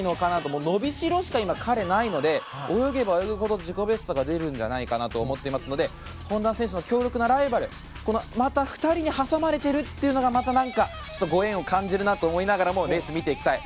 彼、伸びしろしかないので泳げば泳ぐほど自己ベストが出るんじゃないかなと思っていますので本多選手の強力なライバルこの２人に挟まれているのはまた、ご縁を感じるなと思いながらレースを見ていきたい。